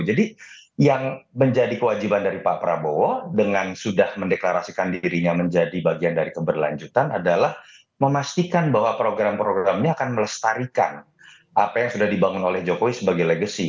jadi yang menjadi kewajiban dari pak prabowo dengan sudah mendeklarasikan dirinya menjadi bagian dari keberlanjutan adalah memastikan bahwa program program ini akan melestarikan apa yang sudah dibangun oleh jokowi sebagai legacy